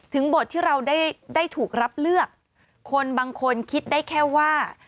บทที่เราได้ได้ถูกรับเลือกคนบางคนคิดได้แค่ว่า